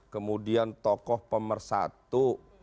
kemudian tokoh pemersatu